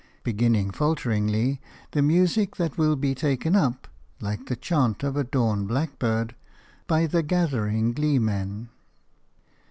beginning falteringly the music that will be taken up – like the chant of a dawn blackbird – by the gathering gleemen.